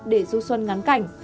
để du xuân đi